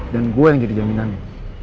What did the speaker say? dan gue yang jadi jaminannya